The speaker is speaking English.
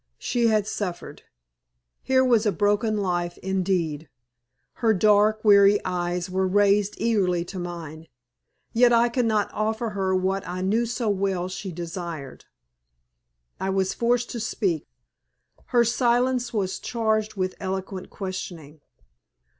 She had suffered. Here was a broken life indeed. Her dark, weary eyes were raised eagerly to mine, yet I could not offer her what I knew so well she desired. I was forced to speak. Her silence was charged with eloquent questioning.